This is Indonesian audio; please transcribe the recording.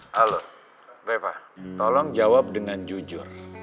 halo reva tolong jawab dengan jujur